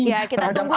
ya kita tunggu ya